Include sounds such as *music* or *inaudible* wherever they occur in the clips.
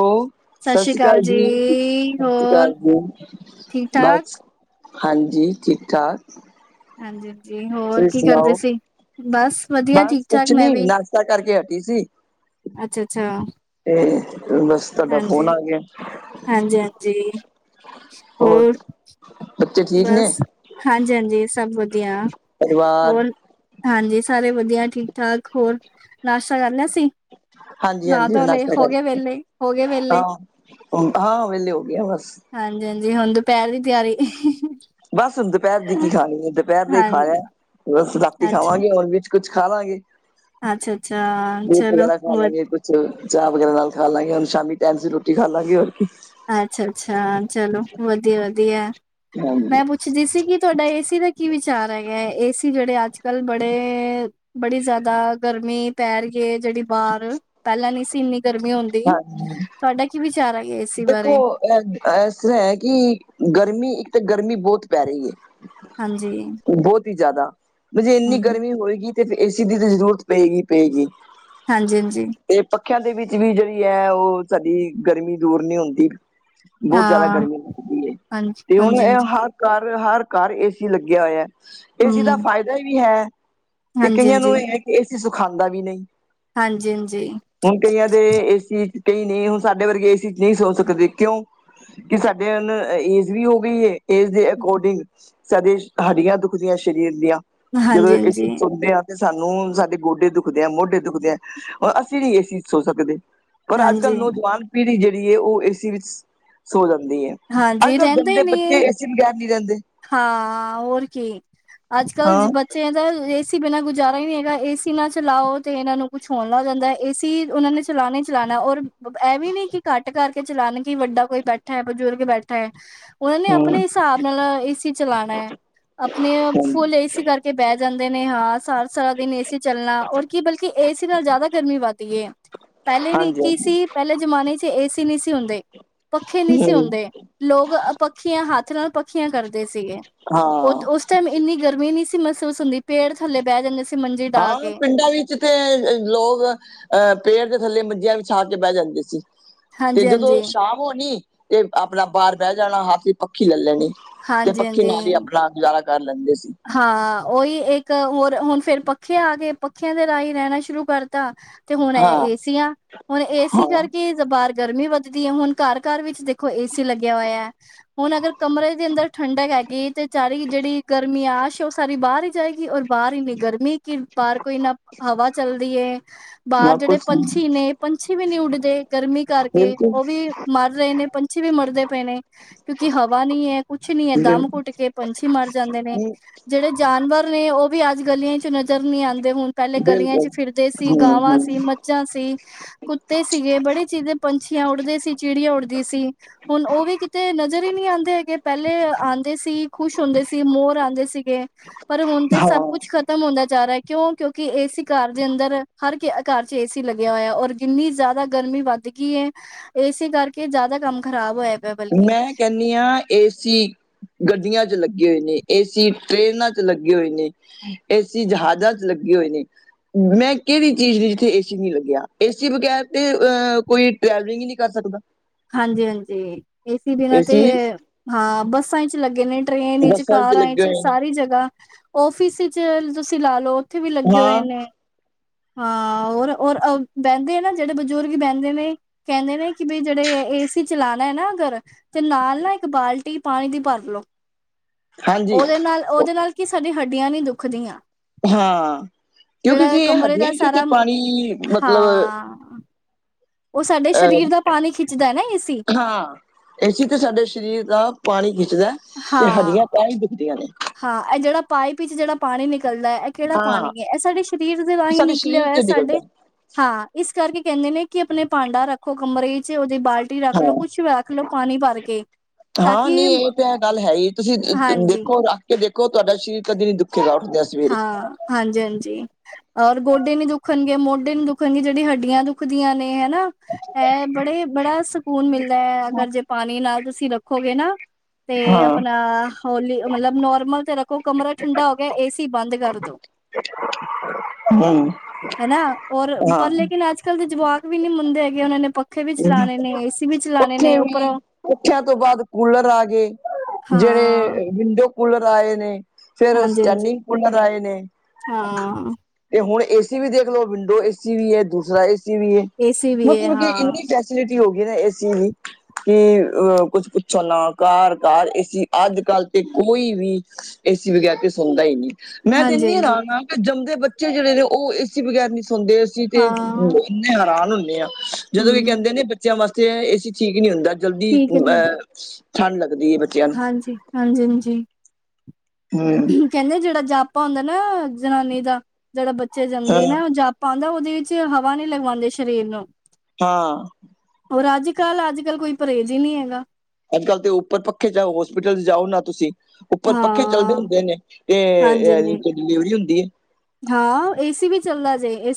ਓ ਸਤਿ ਸ੍ਰੀ ਸਸ਼ੀ ਅਕਾਲ ਕਾਲ ਜੀ, ਸਸ਼ੀ ਹੋਰ ਕਾਲ ਜੀ, ਠੀਕ-ਠਾਕ? ਬਸ ਹਾਂਜੀ ਠੀਕ-ਠਾਕ। ਹਾਂਜੀ-ਹਾਂਜੀ, ਹੋਰ ਕੀ ਕਰਦੇ ਸੀ? ਬਸ ਵਦੀਆ ਠੀਕ-ਠਾਕ ਮੈਂ ਵੀ ਤਾ ਕਰਕੇ ਹਟੀ ਸੀ। ਅੱਛਾ-ਅੱਛਾ। ਤੇ ਬਸ ਤੁਆਡਾ ਫੋਨ ਹਾਂਜੀ। ਆ ਗਿਆ, ਹਾਂਜੀ-ਹਾਂਜੀ, ਹੋਰ? ਬੱਚੇ ਠੀਕ ਨੇ? ਬਸ, ਹਾਂਜੀ-ਹਾਂਜੀ ਸਬ ਵਦੀਆ, ਪਰਿਵਾਰ ਹੋਰ? ਹਾਂਜੀ ਸਾਰੇ ਵਦੀਆ ਠੀਕ-ਠਾਕ, ਹੋਰ ਨਾਸ਼ਤਾ ਕਰ ਲਿਆ ਸੀ? ਹਾਂਜੀ ਨਾ ਹਾਂਜੀ ਧੋ ਲਏ, ਨਾਸ਼ਤਾ ਹੋ ਗਏ ਵੇਲੇ, ਹੋ ਗਏ ਵੇਲੇ? ਹੁਨ ਹਾਂ-ਹਾਂ, ਵੇਲੇ ਹੋ ਗਏ ਆਂ ਬਸ। ਹਾਂਜੀ-ਹਾਂਜੀ, ਹੁਣ ਦੁਪੈਰ ਦੀ ਤਿਆਰੀ। ਬਸ ਹੁਨ ਦੁਪੈਰ ਦੀ ਕੀ ਖਾਣੀ ਐ ਦੁਪੈਰ ਦਾ ਈ ਹਾਂ ਖਾ ਏਆ ਬਸ ਰਾਤੀ ਅੱਛਾ। ਖਾਵਾਂਗੇ ਹੁਨ ਵਿਚ ਕੁੱਛ ਖਾਵਾਂਗੇ। ਅੱਛਾ-ਅੱਛਾ, ਚਲੋ ਚਲੋ, ਚਾਹ ਵਗੈਰਾ ਨਾਲ ਖਾ ਲਾਂਗੇ, ਹੁਣ ਸ਼ਾਮੀ ਟਾਈਮ ਸੇਰ ਰੋਟੀ ਖਾਲਾਂਗੇ ਹੋਰ ਕੀ। ਅੱਛਾ-ਅੱਛਾ ਚਲੋ, ਵਧੀਆ-ਵਧੀਆ। ਹਾਂ ਮੈਂ ਪੁੱਛਦੀ ਸੀ ਕਿ ਤੁਹਾਡਾ ਏਸੀ ਦਾ ਕੀ ਵਿਚਾਰ ਹੈਗਾ ਏ, ਏਸੀ ਜਿਹੜੇ ਅੱਜ-ਕੱਲ ਬੜੇ ਬੜੀ ਜਿਆਦਾ ਗਰਮੀਂ ਪੈ ਰੀ ਏ ਜਿਹੜੀ ਬਾਹਰ, ਪਹਿਲਾ ਨਹੀਂ ਸੀ ਇੰਨੀ ਗਰਮੀਂ ਹੁੰਦੀ। ਹੰ *unintelligible* ਤੁਹਾਡਾ ਕੀ ਵਿਚਾਰ ਹੈਗੇ ਏਸੀ ਬਾਰੇ? ਇਸ ਤਰਾਂ ਹੈ ਕਿ, ਗਰਮੀਂ ਇੱਕ ਤਾਂ ਗਰਮੀਂ ਬਹੁਤ ਪੈ ਰਹੀ ਏ‌ ਹਾਂਜੀ। ਬਹੁਤ ਹੀ ਜ਼ਾਦਾ, ਵੀ ਜੇ ਇੰਨੀ ਹਮ ਗਰਮੀ ਹੋਏਗੀ ਤੇ ਫਿਰ ਏਸੀ ਦੀ ਤਾਂ ਜ਼ਰੂਰਤ ਪੇਗੀ-ਪੇਗੀ। ਹਾਂਜੀ-ਹਾਂਜੀ। ਏ ਪੱਖਿਆਂ ਦੇ ਵਿੱਚ ਵੀ ਜਿਹੜੀ ਐ, ਉਹ ਸਾਡੀ ਗਰਮੀਂ ਦੂਰ ਨਹੀਂ ਹੁੰਦੀ। ਬਹੁਤ ਜ਼ਿਆਦਾ ਹਾਂ ਗਰਮੀਂ ਲੱਗਦੀ ਏ, ਹਾਂਜੀ ਤੇ ਹੁਣ ਹਾਂਜੀ ਇਹ ਹਾਂਜੀ ਹਰ ਘਰ ਹਰ ਘਰ ਏਸੀ ਲੱਗਿਆ ਹੋਇਆ, ਏਸੀ ਦਾ ਹਮ ਫਾਇਦਾ ਵੀ ਹੈ। ਤੇ ਹਾਂਜੀ ਕਈਆਂ ਹਾਂਜੀ ਨੂੰ, ਇਹ ਏਸੀ ਸੁਖਾਉਂਦਾ ਵੀ ਨਹੀਂ। ਹਾਂਜੀ-ਹਾਂਜੀ। ਹੁਣ ਕਈਆਂ ਦੇ ਏਸੀ, ਕਈ ਨਹੀਂ ਹੁਣ ਸਾਡੇ ਵਰਗੇ ਏਸੀ ਨਹੀਂ ਸੋਚ ਸਕਦੇ ਕਿਉਂ, ਕਿ ਸਾਡੇ ਏਜ ਵੀ ਹੋ ਗਈ ਏ, ਏਜ ਦੇ ਅਕੋਰਡਿੰਗ ਸਾਡੀ ਹੱਡੀਆਂ ਦੁਖਦੀਆਂ ਸਰੀਰ ਦੀਆਂ, ਹਾਂਜੀ ਹਾਂਜੀ ਜਦੋਂ ਏਸੀ'ਚ ਹਾਂਜੀ ਸੋਂਦੇ ਆਂ। ਸਾਨੂੰ ਸਾਡੇ ਗੋਡੇ ਦੁਖਦੇ ਆ, ਮੋਢੇ ਦੁਖਦੇ ਆ, ਹੁਣ ਅਸੀਂ ਨੀ ਏਸੀ'ਚ ਸੋ ਸਕਦੇ। ਪਰ ਅੱਜ-ਕੱਲ ਹਾਂਜੀ ਨੌਜਵਾਨ ਪੀੜ੍ਹੀ ਜਿਹੜੀ ਏ, ਉਹ ਏਸੀ ਵਿੱਚ ਸੋ ਜਾਂਦੀ ਏ। ਹਾਂਜੀ ਅੱਜ-ਕੱਲ ਰਹਿੰਦੇ ਹੀ ਬੰਦੇ, ਨਹੀਂ ਬੱਚੇ ਏਸੀ ਬਗੈਰ ਨਹੀਂ ਰਹਿੰਦੇ। ਹਾਂ, ਓਰ ਕੀ ਅੱਜ-ਕੱਲ ਹਾਂ ਬੱਚਿਆਂ ਦਾ ਏ ਏਸੀ ਬਿਨਾਂ ਗੁਜ਼ਾਰਾ ਹੀ ਨਹੀਂ ਹੈਗਾ, ਏਸੀ ਨਾ ਚਲਾਓ, ਤੇ ਇਹਨਾਂ ਨੂੰ ਕੁੱਛ ਹੋਣ ਲੱਗ ਜਾਂਦਾ, ਏਸੀ ਉਹਨਾਂ ਨੇ ਚਲਾਣਾ ਈ ਚਲਾਣਾ, ਓਰ ਇਹ ਵੀ ਨੀ ਕਿ ਘੱਟ ਕਰਕੇ ਚਲਾਨ ਕਿ ਵੱਡਾ ਕੋਈ ਬੈਠਾ ਬਜ਼ੁਰਗ ਬੈਠਾ ਏ, ਉਹਨਾਂ ਨੇ ਹਮ ਆਪਣੇ ਹਿਸਾਬ ਨਾਲ ਏਸੀ ਚਲਾਣਾ ਐ। ਅਪਨੇ ਫੁੱਲ ਏਸੀ ਕਰਕੇ ਬਹਿ ਜਾਂਦੇ ਨੇ, ਹਾਂ ਸਾਰਾ-ਸਾਰਾ ਦਿਨ ਏਸੀ ਚੱਲਣਾ ਔਰ ਕੀ ਬਲਕਿ ਏਸੀ ਨਾਲ ਜ਼ਿਆਦਾ ਗਰਮੀ ਵੱਧਦੀ ਏ, ਪਹਿਲੇ ਵੀ ਹਾਂਜੀ ਕਿ ਸੀ ਹਾਂਜੀ ਪਹਿਲੇ ਜ਼ਮਾਨੇ'ਚ ਏਸੀ ਨਹੀਂ ਸੀ ਹੁੰਦੇ। ਪੱਖੇ ਨਹੀ ਸੀ ਹਮ ਹੁੰਦੇ, ਲੋਕ ਪੱਖੀਆਂ ਹੱਥ ਨਾਲ ਪੱਖੀਆਂ ਕਰਦੇ ਸੀਗੇ, ਉਹ ਉਸ ਹਾਂ ਉਸ ਟਾਈਮ ਇੰਨੀ ਗਰਮੀਂ ਨਹੀਂ ਸੀ ਮਹਿਸੂਸ ਹੁੰਦੀ, ਪੇੜ ਥੱਲੇ ਬਹਿ ਜਾਂਦੇ ਸੀ। ਮੰਜੀ ਡਾਹ ਹਾਂ, ਕੇ। ਪਿੰਡਾਂ ਵਿੱਚ ਜਿੱਥੇ ਲੋਕ ਅਹ, ਪੇੜ ਦੇ ਥੱਲੇ ਮੰਜੀਆਂ ਵਿੱਛਾ ਕੇ ਬਹਿ ਜਾਂਦੇ ਸੀ। ਤੇ ਜਦੋਂ ਹਾਂਜੀ-ਹਾਂਜੀ, ਸ਼ਾਮ ਹੋਣੀ, ਤੇ ਆਪਣਾ ਬਾਹਰ ਬਹਿ ਜਾਣਾ ਹੱਥ ਦੀ ਪੱਖੀ ਲੈ ਲੈਣੀ। ਤੇ ਪੱਖੀ ਨਾਲ ਹਾਂਜੀ-ਹਾਂਜੀ। ਈ, ਆਪਣਾ ਗੁਜ਼ਾਰਾ ਕਰ ਲੈਂਦੇ ਸੀ। ਹਾਂ, ਉਹੀ ਇੱਕ ਹੋਰ ਹੁਣ ਫੇਰ ਪੱਖੇ ਆਗੇ, ਪੱਖਿਆਂ ਦੇ ਰਾਹੀਂ ਰਹਿਣਾ ਸ਼ੁਰੂ ਕਰਤਾ। ਤੇ ਹੁਣ ਇਹ ਹਾਂ ਏ ਸੀ ਆ ਹੁਣ ਏ ਸੀ ਹਾਂ ਕਰਕੇ ਬਾਹਰ ਗਰਮੀਂ ਵੱਧਦੀ ਹੈ ਹੁਣ ਘਰ ਘਰ ਵਿੱਚ ਦੇ ਦੇਖੋ ਏਸੀ ਲੱਗਿਆ ਹੋਇਆ, ਹੁਣ ਅਗਰ ਕਮਰੇ ਦੇ ਅੰਦਰ ਠੰਡਕ ਹੈਗੀ, ਤੇ ਚਾਰੀ ਜਿਹੜੀ ਗਰ ਮੀ ਆ, ਸ਼ ਓ ਸਾਰੀ ਬਾਰ ਹੀ ਜਾਏਗੀ ਔਰ ਬਾਰ ਇੰਨੀ ਗਰਮੀ। ਕੀ, ਬਾਰ ਕੋਈ ਨਾ ਹਵਾ ਚਲਦੀ ਏ ਨਾ ਬਾਰ ਜੇੜੇ ਕੁਛ ਨੀ ਪੰਛੀ ਨੇ, ਪੰਛੀ ਵੀ ਨੀ ਉੱਡਦੇ ਗਰਮੀ ਕਰਕੇ, ਬਿਲਕੁਲ ਓ ਵੀ ਮਰ ਰੇ ਨੇ, ਪੰਛੀ ਵੀ ਮਰਦੇ ਪਏ ਨੇ। ਕਿਉਂਕਿ ਹਵਾ ਨੀ ਐ ਕੁੱਛ ਨੀ ਐ, ਦਮ ਬਿਲਕੁਲ ਘੁੱਟਕੇ ਪੰਛੀ ਮਰ ਜਾਂਦੇ ਨੇ। ਜੇੜ੍ਹੇ ਜਾਨਵਰ ਨੇ ਓ ਵੀ ਅੱਜ ਗਲੀਆਂ ਚ ਨਜ਼ਰ ਨੀ ਆਂਦੇ ਹੁਣ ਪੈਲੇ ਗਲੀਆਂ ਬਿਲਕੁਲ ਚ ਫਿਰਦੇ ਸੀ ਹਮ ਗਾਵਾਂ ਸੀ ਹਮ ਮੱਝਾਂ ਸੀ। ਕੁੱਤੇ ਸੀਗੇ ਬੜੇ ਚੀਜ਼ ਪੰਛੀਆਂ ਉੱਡਦੇ ਸੀ ਚਿੜੀਆਂ ਉੱਡਦੀ ਸੀ। ਹੁਣ ਓਵੀ ਕਿਤੇ ਨਜ਼ਰ ਈ ਨੀ ਆਂਦੇ ਹੈਗੇ ਪੈਲੇ ਆਂਦੇ ਸੀ ਖੁਸ਼ ਹੁੰਦੇ ਸੀ ਮੋਰ ਆ ਦੇ ਸੀਗੇ ਪਰ ਹੁਣ ਤੇ ਸਭ ਕੁੱਛ ਹਾਂ ਖਤਮ ਹੁੰਦਾ ਜਾ ਰਿਆ ਕਿਉਂ ਕਿਉਂਕੀ ਏ ਸੀ ਘਰ ਦੇ ਅੰਦਰ ਹਰ ਘਰ ਚ ਏ ਸੀ ਲੱਗਿਆ ਹੋਇਆ ਔਰ ਕਿੰਨੀ ਜਾਦਾ ਗਰਮੀ ਵਧਗੀ ਏ। ਏ ਸੀ ਕਰਕੇ ਜਾਦਾ ਕੰਮ ਖ਼ਰਾਬ ਹੋਇਆ। ਪਿਆ ਬਲਕਿ ਮੈਂ ਕੈਨੀ ਆ ਏਸੀ। ਗੱਡੀਆਂ ਚ ਲੱਗੇ ਹੋਏ ਨੇ, ਏਸੀ, ਟ੍ਰੇਨਾਂ ਚ ਲੱਗੇ ਹੋਏ ਨੇ। ਏ ਸੀ ਜਹਾਜ਼ਾਂ ਚ ਲੱਗੇ ਹੋਏ ਨੇ। ਮੈਂ ਕੇਰੀ ਚੀਜ਼ ਨੀ ਜਿੱਥੇ ਏ ਸੀ ਨੀ ਲੱਗਿਆ ਏ ਸੀ ਬਗੈਰ ਤੇ ਅਹ ਕੋਈ ਟਰੈਵਲਿੰਗ ਈ ਨੀ ਕਰ ਸਕਦਾ। ਹਾਂਜੀ-ਹਾਂਜੀ ਏ ਸੀ ਬਿਨਾਂ ਤੇ ਏਸੀ ਹਾਂ ਬੱਸਾਂ ਵਿੱਚ ਲੱਗੇ ਨੇ। ਟ੍ਰੇਨ ਵਿਚ ਬੱਸਾਂ ਵਿੱਚ ਕਾਰਾਂ ਲੱਗੇ ਵਿਚ ਹੋਏ ਨੇ ਸਾਰੀ ਜਗ੍ਹਾ ਔਫਿਸ ਵਿੱਚ ਤੁਸੀਂ ਲਾਲੋ। ਉੱਥੇ ਵੀ ਲੱਗੇ ਹੋਏ ਹਾਂ ਨੇ। ਹਾਂ ਓਰ-ਓਰ ਅ ਬੈਂਦੇ ਨਾ ਜੇੜੇ ਬਜ਼ੁਰਗ ਬੈਂਦੇ ਨੇ ਕੈਂਦੇ ਨੇ ਕੀ ਬਈ ਜੇੜੇ ਏਸੀ ਚਲਾਣਾ ਐ ਨਾ ਅਗਰ ਤੇ ਨਾਲ ਨਾ ਇੱਕ ਬਾਲਟੀ ਪਾਣੀ ਦੀ ਭਰਲੋ ਹਾਂਜੀ ਓਦੇ ਨਾਲ ਓਦੇ ਨਾਲ ਕੀ ਸਾਡੀ ਹੱਡੀਆਂ ਨੀ ਦੁੱਖਦੀਆਂ। ਹਾਂ ਕਿਉਂਕੀ ਜੇ ਏ ਕਮਰੇ ਹਡੀਆਂ ਦਾ ਉਥੇ ਸਾਰਾ ਪਾਣੀ ਮਤਲਬ ਹਾਂ ਓ ਸਾਡੇ ਸਰੀਰ ਅਹ ਦਾ ਪਾਣੀ ਖਿੱਚਦਾ ਨਾ ਏ ਸੀ। ਹਾਂ। ਏ ਸੀ ਤਾਂ ਸਾਡੇ ਸਰੀਰ ਦਾ ਪਾਣੀ ਖਿੱਚਦੈ। ਹਾਂ। ਤਾਂਈ ਦੁਖਦੀਆਂ ਨੇ। ਹਾਂ ਐ ਜੇੜਾ ਪਾਈਪ ਵਿਚ ਜਿਹੜਾ ਪਾਣੀ ਨਿਕਲਦੈ। ਕੇੜਾ ਪਾਣੀ ਹਾਂ ਐ ਐ ਸਾਡੇ ਸਰੀਰ ਦੇ ਰਾਹੀਂ ਸਾਡੇ ਨਿਕਲਿਆ ਸਰੀਰ ਹੋਇਆ ਚ ਨਿਕਲਦਾ ਸਾਡੇ ਹਾਂ ਇਸ ਕਰਕੇ ਕੈਂਦੇ ਨੇ ਕੀ ਆਪਣੇ ਭਾਂਡਾ ਰੱਖੋ ਕਮਰੇ ਵਿੱਚ ਉਦੀ ਬਾਲ ਟੀ ਰੱਖ ਲੋ ਹਾਂ ਕੁੱਛ ਰੱਖ ਲੋ ਪਾਣੀ ਭਰ ਕੇ। ਤਾਂ ਹਾਂ ਕਿ ਨਈ ਏ ਤਾਂ ਗੱਲ ਹੈ ਈ ਤੁਸੀਂ ਹਾਂਜੀ ਦੇਖੋ ਰੱਖ ਕੇ ਦੇਖੋ ਤੁਹਾਡਾ ਸਰੀਰ ਕਦੇ ਨੀ ਦੁ ਹਾਂ ਹਾਂਜੀ-ਹਾਂਜੀ ਔਰ ਗੋਡੇ ਨੀ ਦੁੱਖਣਗੇ ਮੋਢੇ ਨੀ ਦੁਖਣਗੇ ਜੇੜੀ ਹੱਡੀਆਂ ਦੁੱਖਦੀਆਂ ਨੇ ਹਨਾ। ਐ ਬੜੇ ਬੜਾ ਸਕੂਨ ਮਿਲਦਾ ਐ ਅਗਰ ਜੇ ਪਾਣੀ ਨਾਲ ਤੁਸੀਂ ਰੱਖੋਗੇ ਨਾ। ਤੇ ਹਾਂ ਆਪਣਾ ਹੋਲੀ ਮਤਲਬ ਨੋਰਮਲ ਤੇ ਰੱਖੋ ਕਮਰਾ ਠੰਡਾ ਹੋ ਗਿਆ ਏਸੀ ਬੰਦ ਕਰਦੋ। ਹੂੰ। ਹਨਾ ਓਰ ਪਰ ਲੇਕਿਨ ਅੱਜ ਕੱਲ੍ਹ ਦੇ ਜਵਾਕ ਵੀ ਨੀ ਮੰਨਦੇ ਹੈਗੇ ਓਨਾਂ ਨੇ ਪੱਖੇ ਵੀ ਚਲਾਣੇ ਨੇ ਏਸੀ ਵੀ ਚਲਾਣੇ ਪਖੇ ਨੇ ਵੀ ਉੱਪਰੋਂ ਪੱਖੇਆਂ ਤੋਂ ਬਾਦ ਕੂਲਰ ਆ ਗਏ। ਹਾਂ ਜੇੜ੍ਹੇ ਵਿੰਡੋ ਕੂਲਰ ਆਏ ਨੇ। ਫੇਰ ਹਾਂਜੀ ਹਾਂਜੀ ਸਟੈਂਡਿੰਗ ਕੂਲਰ ਆਏ ਨੇ। ਹਾਂ ਤੇ ਹੁਣ ਏਸੀ ਵੀ ਦੇਖ ਲੋ ਵਿੰਡੋ ਏਸੀ ਵੀ ਐ ਦੂਸਰਾ ਏਸੀ ਵੀ ਰ ਏਸੀ ਵੀ ਹੈ ਮਤਲਬ ਕੀ ਇਨ ਹਾਂ ਫੈਸਿਲਿਟੀ ਹੋ ਗਈ ਨਾ ਏਸੀ ਦੀ। ਕੀ ਅ ਕੁੱਛ ਪੁੱਛਣ ਨਾ ਕਾਰ-ਕਾਰ ਇਸ ਈ ਅੱਜ ਕੱਲ੍ਹ ਤੇ ਕੋਈ ਵੀ ਏਸੀ ਵਗੈਰ ਤੇ ਸੌਦਾ ਈ ਨੀ। ਮੈਂ ਤੇ ਹਾਂਜੀ ਇੰਨੀ ਹਾਂਜੀ ਹੈਰਾਨ ਆ ਕੀ ਜੰਮਦੇ ਬੱਚੇ ਜੇੜੇ ਨੇ ਓ ਏਸੀ ਬਗੈਰ ਨੀ ਸੌਦੇ ਅਸੀਂ ਤੇ ਹਾਂ ਇੰਨੇ ਹੈਰਾਨ ਹੁੰਨੇ ਆ ਜਦੋਂ ਕੀ ਹਮ ਕੈਂਦੇ ਨੇ ਬੱਚਿਆਂ ਵਾਸਤੇ ਏ ਸੀ ਠੀਕ ਨੀ ਹੁੰਦਾ ਜਲਦੀ ਠੀਕ ਹੈ ਅ ਠੰਡ ਲੱਗਦੀ ਐ ਬੱਚਿਆਂ। ਨੂੰ ਹਾਂਜੀ ਹਾਂਜੀ ਹਾਂਜੀ। *unintelligible* ਕਹਿੰਦੇ ਜਿਹੜਾ ਜਾਪਾ ਹੁੰਦਾ ਨਾ ਜਨਾਨੀ ਦਾ ਜਿਹੜਾ ਬੱਚੇ ਹਾਂ ਜੰਮਦੀ ਨਾ ਉਹ ਜਾਪ ਪਾਉਂਦਾ ਉਹਦੇ ਵਿੱਚ ਹਵਾ ਨਹੀਂ ਲਗਵਾਉਂਦੇ ਸ਼ਰੀਰ ਨੂੰ। ਹਾਂ ਹੋਰ ਅੱਜ ਕੱਲ੍ਹ ਅੱਜ ਕੱਲ ਕੋਈ ਪਰਹੇਜ਼ ਹੀ ਨਹੀਂ ਹੈਗਾ। ਅੱਜ ਕੱਲ੍ਹ ਤੇ ਉਪਰ ਪੱਖੇ ਜਾਓ ਹੋਸਪਿਟਲ ਜਾਓ ਨਾ ਤੁਸੀਂ। ਉੱਪਰ ਪੱਖੇ ਚਲਦੇ ਹਾਂ ਹੁੰਦੇ ਨੇ ਤੇ ਹਾਂਜੀ ਏ ਹਾਂਜੀ ਡਿਲੀਵਰੀ ਹੁੰਦੀ ਹੈ। ਹਾਂ ਏਸੀ ਵੀ ਚੱਲਦਾ ਜੇ ਏ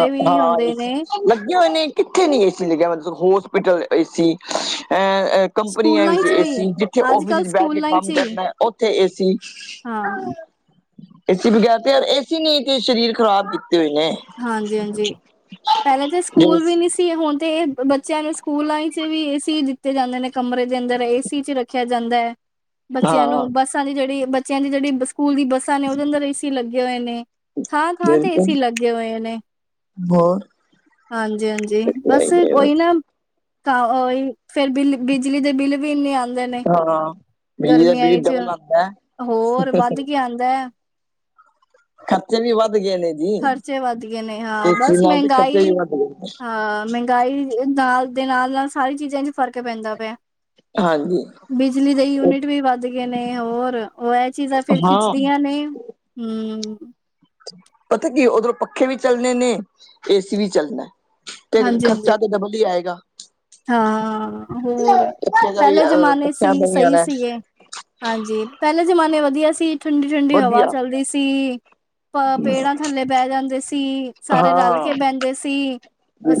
ਹਾਂ ਲੱਗੇ ਹੋਏ ਨੇ। ਕਿੱਥੇ ਨੀ ਏ ਸੀ ਲੱਗਿਆ ਮਤਲਬ ਹੋਸਪਿਟਲ ਏ ਸੀ। ਕੰਪਨੀਆਂ ਸਕੂਲਾਂ ਵਿੱਚ ਚ ਏ ਵੀ ਸੀ ਜਿੱਥੇ ਅੱਜ ੳਫਿਸ ਕੱਲ੍ਹ ਵਿੱਚ ਬੈਠ ਕੇ ਸਕੂਲਾਂ ਚ ਕੰਮ ਹੀ ਕਰਨਾ ਉੱਥੇ ਏਸੀ। ਹਾਂ ਏ ਸੀ ਬਗੈਰ ਤੇ ਏ ਸੀ ਨੇ ਤੇ ਸ਼ਰੀਰ ਖ਼ਰਾਬ ਕੀਤੇ ਹੋਏ ਨੇ। ਹਾਂਜੀ ਹਾਂਜੀ ਪਹਿਲੇ ਤੇ ਜਿਹੜੇ ਸਕੂਲ ਵੀ ਨਹੀਂ ਸੀ। ਹੁਣ ਤੇ ਇਹ ਬੱਚਿਆਂ ਨੂੰ ਸਕੂਲਾਂ ਲਾਈਫ ਚ ਵੀ ਏ ਸੀ ਦਿੱਤੇ ਜਾਂਦੇ ਨੇ ਕਮਰੇ ਦੇ ਅੰਦਰ ਏ ਸੀ ਚ ਰੱਖ। ਰਖਿਆ ਜਾਂਦਾ ਐ ਬੱਚਿਆਂ ਹਾਂ ਨੂੰ ਬੱਸਾਂ ਦੀ ਜਿਹੜੀ ਬੱਚਿਆਂ ਦੀ ਜਿਹੜੀ ਸਕੂਲ ਦੀ ਬੱਸਾਂ ਨੇ ਉਹਦੇ ਅੰਦਰ ਏ ਸੀ ਲੱਗੇ ਹੋਏ ਨੇ। ਥਾਂ ਥਾਂ ਤੇ ਬਿਲਕੁਲ ਏਸੀ ਲੱਗੇ ਹੋਏ ਨੇ ਹੋਰ ਹਾਂਜੀ ਹਾਂਜੀ ਬਸ ਉਹੀ ਨਾ। ਤਾਂਹੀ ਫੇਰ ਬਿੱਲ ਬਿਜਲੀ ਦੇ ਬਿੱਲ ਵੀ ਇੰਨੇ ਆਉਂ। ਆਂਦੇ ਨੇ ਹਾਂ ਬਿਜਲੀ ਦਾ ਗਰਮੀਆਂ ਬਿੱਲ ਵਿੱਚ ਡਬਲ ਆਉਂਦਾ ਹੈ, ਹੋਰ ਵੱਧ ਕੇ ਆਉਂਦਾ ਹੈ। ਖਰਚੇ ਵੀ ਵੱਧ ਗਏ ਨੇ ਜੀ ਖ਼ਰਚੇ ਵੱਧ ਗਏ ਨੇ ਹਾਂ ਏਸੀ ਬਸ ਨਾਲ ਤੇ ਖਰਚੇ ਮਹਿੰਗਾਈ ਵੀ ਵੱਧ ਗਏ ਨੇ ਹਾਂ ਮਹਿੰ ਗਾਈ ਨਾਲ ਦੇ ਨਾਲ ਨਾਲ ਸਾਰੀ ਚੀਜ਼ਾਂ ਚ ਫ਼ਰਕ ਪੈਂਦਾ ਪਿਆ। ਹਾਂਜੀ ਬਿਜਲੀ ਦੇ ਉਹ ਯੂਨਿਟ ਵੀ ਵੱਧ ਗਏ ਨੇ ਹੋਰ ਉਹ ਇਹ ਚੀਜ਼ਾਂ ਫਿਰ ਹਾਂ ਖਿੱਚਦੀਆਂ ਨੇ। ਹੂੰ ਪਤਾ ਕੀ ਉਧਰੋਂ ਪੱਖੇ ਵੀ ਚੱਲਣੇ ਨੇ ਏਸੀ ਵੀ ਚੱਲਦਾ ਤੇ ਹਾਂਜੀ-ਹਾਂਜੀ ਖ਼ਰਚਾ ਤੇ ਡਬਲ ਹੀ ਆਏਗਾ। ਹਾਂ ਹੋਰ ਪੱਖੇ ਦਾ ਵੀ ਪਹਿਲੇ ਅਹ ਜਮਾਨੇ ਚ ਪੱਖਿਆਂ ਸੀ ਦਾ ਵੀ ਸਹੀ ਆਣਾ ਸੀਗੇ ਹਾਂਜੀ ਪਹਿਲੇ ਜਮਾਨੇ ਵਧੀਆ ਸੀ। ਠੰਡੀ ਠੰਡੀ ਹਵਾ ਵਧੀਆ ਚੱਲਦੀ ਸੀ ਪ ਪੇੜਾਂ ਥੱਲੇ ਬਹਿ ਜਾਂਦੇ ਸੀ। ਸਾਰੇ ਰਲ ਹਾਂ ਕੇ ਬਹਿੰਦੇ ਸੀ।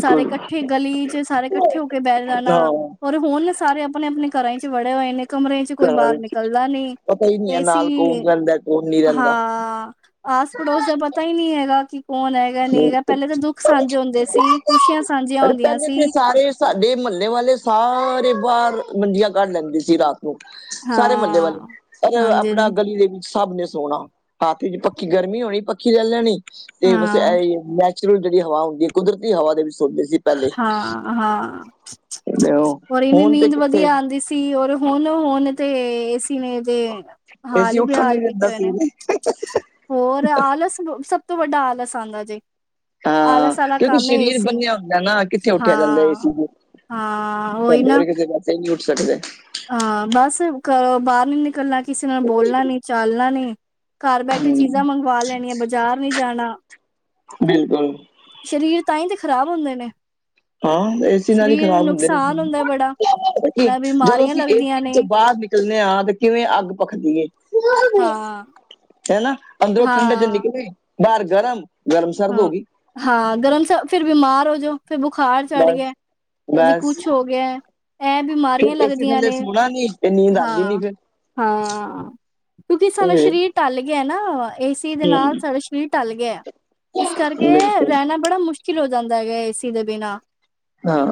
ਸਾਰੇ ਕੱਠੇ ਗਲੀ ਚ ਸਾਰੇ ਕੱਠੇ ਇਕੱਠੇ ਹੋ ਕੇ ਬਹਿਠ ਹਾਂ ਜਾਣਾ ਔਰ ਹੁਨ ਸਾਰੇ ਆਪਣੇ ਆਪਣੇ ਘਰਾਂ ਚ ਵੜੇ ਹੋਏ ਨੇ। ਕਮਰੇ ਚ ਕੋਈ ਘਰਾਂ ਬਾਹਰ ਵਿੱਚ ਨਿਕਲਦਾ ਨਹੀਂ ਪਤਾ ਹੀ ਨਹੀਂ ਹੈ ਏਸੀ ਨਾਲ ਕੌਣ ਰਹਿੰਦਾ ਕੌਣ ਨਹੀਂ ਰਹਿੰਦਾ ਹਾਂ। ਆਸ ਪੜੋਸ ਦਾ ਪਤਾ ਹੀ ਨਹੀਂ ਹੈਗਾ ਕਿ ਕੌਣ ਹੈਗਾ ਨਹੀਂ ਹੈਗਾ ਪਹਿਲੇ ਤਾਂ ਦੁੱਖ ਸਾਂਝੇ ਹੁੰਦੇ ਸੀ। ਖੁਸ਼ੀਆਂ ਸਾਂਝੀਆਂ ਅਰੇ ਹੁੰਦੀਆਂ ਪਹਿਲੇ ਤੇ ਸੀ। ਸਾਰੇ ਸਾਡੇ ਮਹੱਲੇ ਵਾਲੇ ਸਾਰੇ ਬਾਰ ਮੰਜੀਆਂ ਕੱਢ ਲੈਂਦੇ ਸੀ ਰਾਤ ਨੂੰ। ਸਾਰੇ ਮਹੱਲੇ ਹਾਂ, ਵਾਲੇ ਪਰ ਆਪਣਾ ਹਾਂਜੀ-ਹਾਂਜੀ। ਗਲੀ ਦੇ ਵਿੱਚ ਸਭ ਨੇ ਸੋਣਾ। ਹਾਥ ਵਿੱਚ ਪੱਖੀ ਗਰਮੀ ਹੋਣੀ ਪੱਖੀ ਲੈ ਲੈਣੀ ਤੇ ਹਾਂ, ਤੇ ਨੈਚੁਰਲ ਜਿਹੜੀ ਹਵਾ ਹੁੰਦੀ ਸੀ। ਕੁਦਰਤੀ ਹਵਾ ਦੇ ਵਿੱਚ ਸੌਂਦੇ ਸੀ। ਪਹਿਲੇ ਹਾਂ ਹਾਂ ਤੇ ਉਹ ਹੋਰ ਇਨੀ ਹੁਣ ਤੇ ਨੀਂਦ ਕਿੱਥੇ ਵਧੀਆ ਆਉਂਦੀ ਸੀ। ਸੀ ਔਰ ਹੁਣ ਹੁਣ ਤੇ ਏ ਸੀ ਨੇ ਤੇ ਹਾਲ ਏਸੀ ਹੀ ਉੱਠਣ ਨੀ ਬੇਹਾਲ ਦਿੰਦਾ ਕੀਤੇ ਹੋਏ ਸੀ ਨੇ। ਹੋਰ ਆਲਸ ਸਭ ਤੋਂ ਵੱਡਾ ਆਲਸ ਆਉਂਦਾ ਜੇ। ਆਲਸ ਆਲਾ ਕੰਮ ਏ ਏਸੀ। ਹੁੰਦੈ ਨਾ ਕਿੱਥੇ ਉੱਠਿਆ ਜਾਂਦਾ ਏਸੀ ਦੇ ਹਾਂ-ਹਾਂ ਓਈ ਨਾ ਨਈ ਉੱਠ ਸਕਦੇ। ਹਾਂ ਬਸ ਘਰੋਂ ਬਾਰ ਨੀ ਨਿਕਲਣਾ ਕਿਸੇ ਨਾਲ ਬੋਲਣਾ ਨੀ, ਚਾਲਣਾ ਨੀ। ਘਰ ਬੈਠੇ ਹਮ ਚੀਜ਼ਾਂ ਮੰਗਵਾ ਲੈਣੀਆਂ ਬਜ਼ਾਰ ਨੀ ਜਾਣਾ। ਬਿਲਕੁੱਲ। ਸਰੀਰ ਤਾਂਈ ਤੇ ਖ਼ਰਾਬ ਹੁੰਦੇ ਨੇ। ਹਾਂ ਏਸੀ ਨਾਲ ਈ ਸਰੀਰ ਨੂੰ ਖਰਾਬ ਹੁੰਦੇ ਨੇ ਨੁਕਸਾਨ ਹੁੰਦਾ ਬੜਾ ਕੀ ਨਾਲ ਜਦੋਂ ਬਿਮਾਰੀਆਂ ਅਸੀਂ ਏਸੀ ਲੱਗਦੀਆਂ ਨੇ ਵਿੱਚੋ ਬਾਰ ਨਿਕ ਕਲੇ ਆ ਤੇ ਕਿਵੇਂ ਅੱਗ ਪਖਦੀ ਏ ਹਾਂ। ਹਨਾ ਅੰਦਰੋਂ ਠੰਡੇ ਚ ਹਾਂ ਨਿਕਲੇ ਬਾਰ ਗਰਮ-ਗਰਮ ਸਰਦ ਹਾਂ। ਹੋਗੀ। ਹਾਂ ਗਰਮ ਸ ਫਿਰ ਬਿਮਾਰ ਹੋਜੋ ਫਿਰ ਬੁਖਾਰ ਚੜ੍ਹ ਬਸ ਗਿਐ। ਹਜੇ ਬਸ ਕੁੱਛ ਹੋ ਗਿਐ ਐ ਬਿਮਾਰੀਆਂ ਫਿਰ ਏਸੀ ਲੱਗਦੀਆਂ ਥੱਲੇ ਨੇ ਸੋਣਾ ਨੀ ਤੇ ਨੀਂਦ ਆਂਦੀ ਨੀ ਹਾਂ। ਫਿਰ ਹਾਂ ਕਿਉੰਕੀ ਸਾਡਾ ਇਹ ਸਰੀਰ ਟਲ ਗਿਆ ਨਾ ਏਸੀ ਦੇ ਨਾਲ ਹੂੰ ਸਾਡਾ ਸਰੀਰ ਟਲ ਗਿਐ। ਇਸ ਕਰਕੇ ਬਿਲਕੁਲ ਰੈਣਾ ਬੜਾ ਮੁਸ਼ਕਿਲ ਹੋ ਜਾਂਦਾ ਹੈਗਾ ਏਸੀ ਦੇ ਬਿਨਾਂ। ਹਾਂ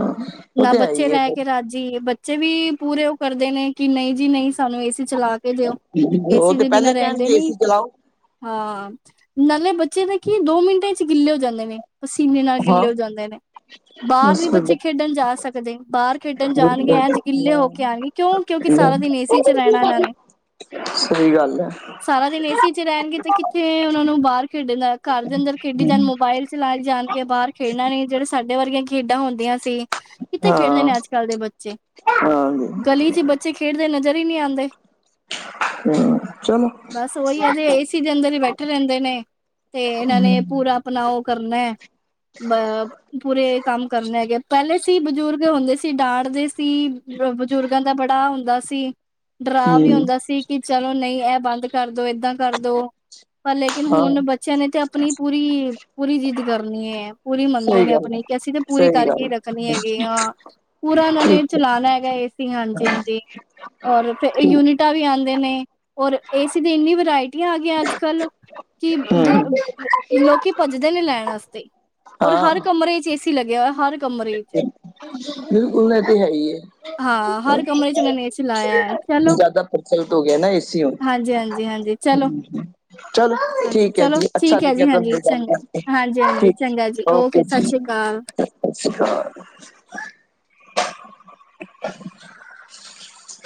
ਓ ਤੇ ਹੈ ਈ ਐ ਫੇਰ। ਜੀ ਬੱਚੇ ਵੀ ਪੂਰੇ ਓ ਕਰਦੇ ਨੇ ਕੀ ਨਈ ਜੀ ਨਈ ਸਾਨੂੰ ਏ ਸੀ ਚਲਾ ਕੇ ਦਿਓ ਉਹ ਏਸੀ ਤੇ ਦੇ ਬਿਨਾਂ ਪਹਿਲੇ ਰੈਂਦੇ ਕਹਿਣਗੇ ਨੀ ਏਸੀ ਚਲਾਓ ਹਾਂ ਨਾਲੇ ਬੱਚੇ ਦਾ ਕੀ ਦੋ ਮਿੰਟੇ ਚ ਗਿੱਲੇ ਹੋ ਜਾਂਦੇ ਨੇ। ਪਸੀਨੇ ਨਾਲ ਹਾਂ ਗਿੱਲੇ ਹੋ ਜਾਂਦੇ ਨੇ। ਬਾਰ ਬਸ ਨੀ ਫਿਰ ਬੱਚੇ ਬਿਲਕੁਲ ਖੇਡਣ ਜਾ ਸਕਦੇ ਬਾਰ ਖੇਡਣ ਜਾਣਗੇ ਐਂ ਜਕੀਲੇ ਹੋ ਕੇ *unintelligible* ਕਿਉਂ ਕਿਉਂਕੀ ਸਾਰਾ ਦਿਨ ਏਸੀ ਚ ਰੈਣਾ ਏਨਾਂ ਨੇ। ਸਈ ਗੱਲ ਐ। ਸਾਰਾ ਦਿਨ ਏ ਸੀ ਚ ਰੈਣਗੇ ਤੇ ਕਿੱਥੇ ਓਨਾਂ ਨੂੰ ਬਾਰ ਖੇਡਣ ਦਾ ਘਰ ਦੇ ਅੰਦਰ ਖੇਡੀ ਜਾਣ ਮੋਬਾਇਲ ਚਲਾਈ ਜਾਣਗੇ ਬਾਰ ਖੇਡਣਾ ਲਈ ਜੇੜੇ ਸਾਡੇ ਵਰਗੀਆਂ ਖੇਡਾਂ ਹੁੰਦੀਆਂ ਸੀ ਕਿੱਥੇ ਖੇਡਦੇ ਹਾਂ ਨੇ ਅੱਜ-ਕੱਲ ਦੇ ਬੱਚੇ ਹਾਂਜੀ ਗਲੀ ਚ ਬੱਚੇ ਖੇਡਦੇ ਨਜ਼ਰ ਈ ਨੀ ਆਂਦੇ। ਹਾਂ ਚਲੋ ਬਸ ਓਈ ਐ ਜੇ ਏਸੀ ਦੇ ਅੰਦਰ ਹੀ ਬੈਠੇ ਰੈਂਦੇ ਨੇ। ਤੇ ਏਨਾਂ ਨੇ ਪੂਰਾ ਆਪਣਾ ਓ ਕਰਨੈ ਬ ਪੂਰੇ ਕੰਮ ਕਰਨੇ ਹੈਗੇ ਪੈਲੇ ਸੀ ਬਜ਼ੁਰਗ ਹੁੰਦੇ ਸੀ ਡਾਂਟਦੇ ਸੀ। ਅ ਬਜ਼ੁਰਗਾਂ ਦਾ ਬੜਾ ਹੁੰਦਾ ਸੀ। ਡਰਾ ਵੀ ਹੂੰ ਹੁੰਦਾ ਸੀ ਕੀ ਚਲੋ ਨਈ ਐ ਬੰਦ ਕਰਦੋ ਏਦਾਂ ਕਰਦੋ। ਪਰ ਲੇਕਿਨ ਹਾਂ ਹੁਣ ਬ ਚਿਆਂ ਨੇ ਤੇ ਆਪਣੀ ਪੂਰੀ-ਪੂਰੀ ਜਿੱਦ ਕਰਨੀ ਐ ਪੂਰੀ ਮੰਨਦੇ ਸਹੀ ਨੇ ਗੱਲ ਹੈ, ਆਪਣੀ ਕੇ ਅਸੀਂ ਤੇ ਪੂਰੀ ਸਹੀ ਕਰ ਕੇ ਗੱਲ ਰੱਖਣੇ ਹੈਗੇ ਆ ਪੂਰਾ ਉਨਾਂ ਨੇ ਠੀਕ ਹੈ ਚਲਾਣਾ ਹੈਗਾ ਏ ਸੀ ਹਾਂਜੀ-ਹਾਂਜੀ। ਔਰ ਫ ਠੀਕ ਯੂਨਿਟਾ ਵੀ ਆਂਦੇ ਨੇ ਔਰ ਏਸੀ ਦੀ ਇੰਨੀ ਵਰਾਇਟੀਆਂ ਆ ਗਿਐ ਅੱਜ-ਕੱਲ ਦ ਹਮ ਲੋਕੀ ਭੱਜਦੇ ਨੇ ਲੈਣ ਵਾਸਤੇ ਔਰ ਹਰ ਹਾਂ ਕਮਰੇ ਚ ਏ ਸੀ ਲੱਗਿਆ ਹੋਇਆ ਹਰ ਕਮਰੇ ਚ। ਬਿਲਕੁੱਲ ਐ ਤੇ ਹੈ ਈ ਏ। ਹਾਂ ਹਰ ਕਮਰੇ ਚ ਉਹਨਾਂ ਨੇ ਏਸੀ ਲਾਇਆ ਹੈ। ਚਲੋ ਜਾਦਾ ਪਰਸਲਟ ਹੋ ਗਿਆ ਨਾ ਏਸੀ ਹਾਂਜੀ ਹਾਂਜੀ ਹਾਂਜੀ ਚਲੋ *unintelligible* ਚੱਲ ਹਾਂਜੀ ਠੀਕ ਐ ਚਲੋ ਜੀ ਅੱਛਾ ਠੀਕ ਹੈ ਲੱਗਿਆ ਜੀ ਤੁਹਾਨੂੰ ਹਾਂਜੀ ਗੱਲ ਕਰਕੇ ਚੰਗਾ ਹਾਂਜੀ ਹਾਂਜੀ ਠੀਕ ਚੰਗਾ ਜੀ ਓਕੇ ਸਤਿ ਜੀ। ਸ਼੍ਰੀ ਅਕਾਲ ਸਸ ਸ੍ਰੀ ਕਾਲ।